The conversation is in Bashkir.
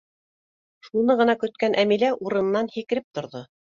Шуны ғына көткән Әмилә урынынан һикереп торҙо: